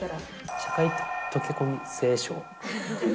社会溶け込み性賞。